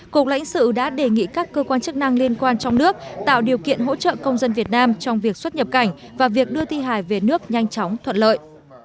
cục lãnh sự đã đề nghị các cơ quan chức năng liên quan trong nước tạo điều kiện hỗ trợ công dân việt nam trong việc xuất nhập cảnh và việc đưa thi hài về nước nhanh chóng thuận lợi